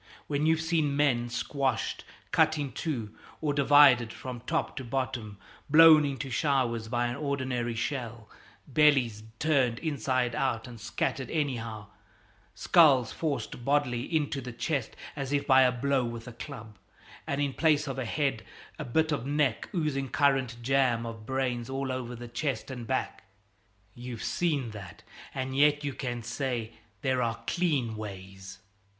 When you've seen men squashed, cut in two, or divided from top to bottom, blown into showers by an ordinary shell, bellies turned inside out and scattered anyhow, skulls forced bodily into the chest as if by a blow with a club, and in place of the head a bit of neck, oozing currant jam of brains all over the chest and back you've seen that and yet you can say 'There are clean ways!'"